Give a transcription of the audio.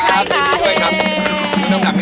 งีธีด้วยครับ